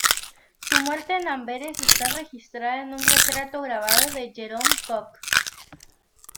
Su muerte en Amberes está registrada en un retrato grabado de Jerome Cock.